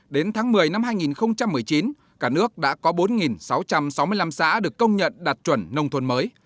đến tháng một mươi năm hai nghìn một mươi chín cả nước đã có bốn sáu trăm sáu mươi năm xã được công nhận đạt chuẩn nông thôn mới